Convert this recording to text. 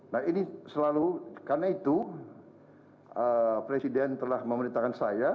nah ini selalu karena itu presiden telah memerintahkan saya